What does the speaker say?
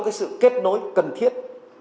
cái sự kết nối cần thiết